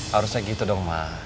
harusnya gitu dong ma